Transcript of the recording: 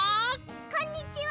こんにちは！